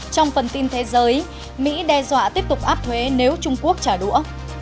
trong phần tin thế giới mỹ đe dọa tiếp tục áp thuế nếu trung quốc trả đũa